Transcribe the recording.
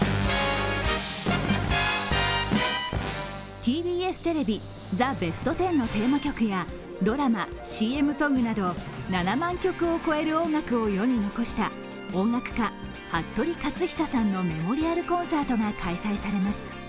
ＴＢＳテレビ「ザ・ベストテン」のテーマ曲やドラマ、ＣＭソングなど７万曲を超える音楽を世に残した音楽家・服部克久さんのメモリアルコンサートが開催されます。